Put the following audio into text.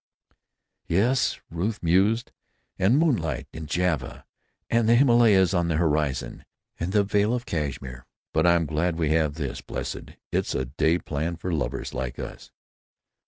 "Yes!" Ruth mused; "and moonlight in Java, and the Himalayas on the horizon, and the Vale of Cashmir." "But I'm glad we have this. Blessed, it's a day planned for lovers like us."